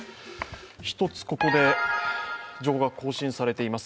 一つここで情報が更新されています。